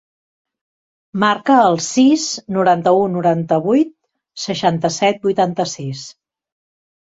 Marca el sis, noranta-u, noranta-vuit, seixanta-set, vuitanta-sis.